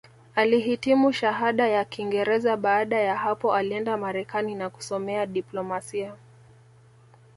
Alihitimu Shahada ya Kingereza Baada ya hapo alienda Marekani na kusomea diplomasia